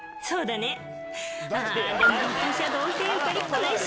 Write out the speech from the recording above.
そうだね。